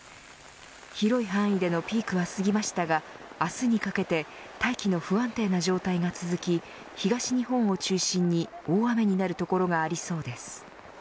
広い範囲でのピークは過ぎましたが明日にかけて大気の不安定な状態が続き東日本を中心に大雨になる所がありそうです。